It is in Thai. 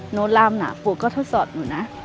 หนูรามหนาปุกก็ทดสอบหนูนะ